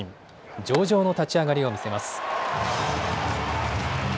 上々の立ち上がりを見せます。